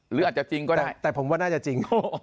หรืออาจจะจริงก็ได้แต่ผมว่าน่าจะจริง